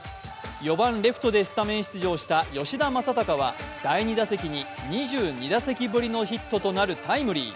４番レフトでスタメン出場した吉田正尚は第２打席に２２打席ぶりのヒットとなるタイムリー。